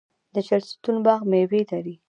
د چهلستون باغ میوې لري.